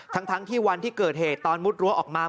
ทั้งที่วันที่เกิดเหตุตอนมุดรั้วออกมา